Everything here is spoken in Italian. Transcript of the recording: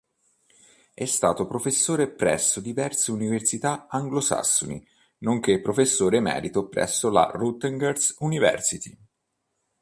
È stato professore presso diverse università anglosassoni, nonché professore emerito presso la Rutgers University.